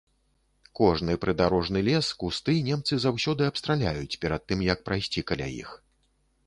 Кожны прыдарожны лес, кусты немцы заўсёды абстраляюць, перад тым як прайсці каля іх.